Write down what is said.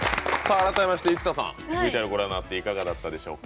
改めまして、生田さんＶＴＲをご覧になっていかがだったでしょうか？